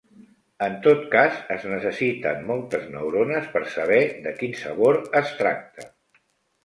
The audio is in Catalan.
En tot cas, es necessiten moltes neurones per saber de quin sabor es tracta.